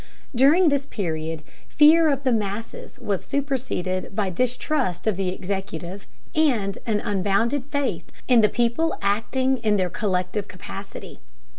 During this period fear of the masses was superseded by distrust of the executive and an unbounded faith in the people acting in their collective capacity.